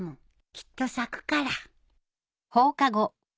きっと咲くから